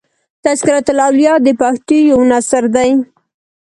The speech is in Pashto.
" تذکرة الاولیاء" د پښتو یو نثر دﺉ.